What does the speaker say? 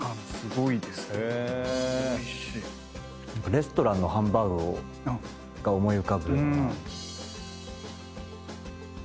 レストランのハンバーグが思い浮かぶような。